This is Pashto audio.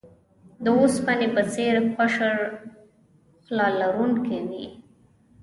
د اوسپنې په څیر قشر خلا لرونکی وي.